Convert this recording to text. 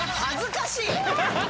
恥ずかしい。